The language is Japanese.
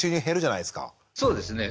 そうですね。